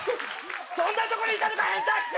そんなとこにいたのか変態空き巣！